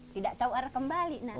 tidak tahu arah kembali nak